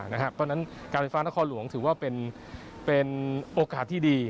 เพราะฉะนั้นการไฟฟ้านครหลวงถือว่าเป็นโอกาสที่ดี